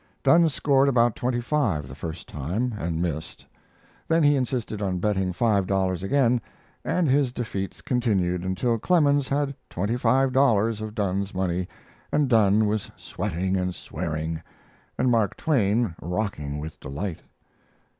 Dunne scored about twenty five the first time and missed; then he insisted on betting five dollars again, and his defeats continued until Clemens had twenty five dollars of Dunne's money, and Dunne was sweating and swearing, and Mark Twain rocking with delight.